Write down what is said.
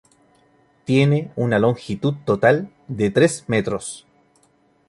Tiene una longitud total de tres metros.